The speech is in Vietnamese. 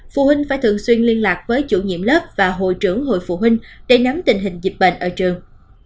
phụ huynh phải thường xuyên liên lạc với chủ nhiệm lớp và hội trưởng hội phụ huynh để nắm tình hình dịch bệnh ở trường